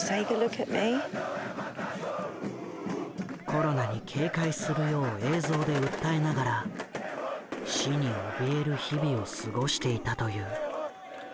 コロナに警戒するよう映像で訴えながら死におびえる日々を過ごしていたという。